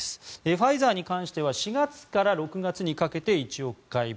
ファイザーに関しては４月から６月にかけて１億回分。